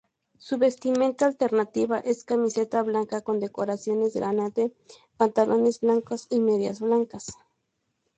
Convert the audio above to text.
Su vestimenta alternativa es camiseta blanca con decoraciones granate, pantalones blancos y medias blancas.